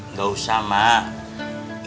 nggak usah mbak